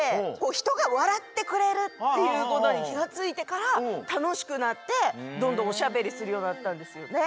ひとがわらってくれるっていうことにきがついてからたのしくなってどんどんおしゃべりするようになったんですよね。